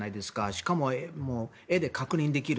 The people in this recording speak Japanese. しかも、画で確認できる。